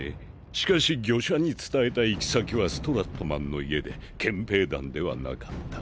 しかし御者に伝えた行き先はストラットマンの家で憲兵団ではなかった。